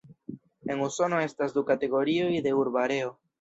En Usono estas du kategorioj de urba areo.